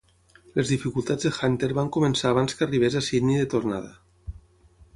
Les dificultats de Hunter van començar abans que arribés a Sydney de tornada.